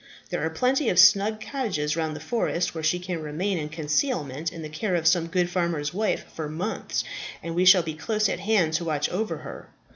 There are plenty of snug cottages round the forest, where she can remain in concealment in the care of some good farmer's wife for months, and we shall be close at hand to watch over her.